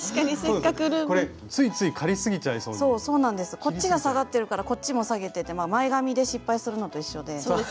こっちが下がってるからこっちも下げてって前髪で失敗するのと一緒で。